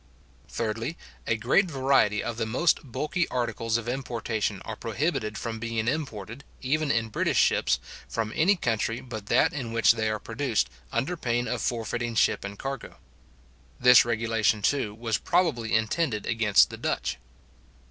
Thirdly, A great variety of the most bulky articles of importation are prohibited from being imported, even in British ships, from any country but that in which they are produced, under pain of forfeiting ship and cargo. This regulation, too, was probably intended against the Dutch.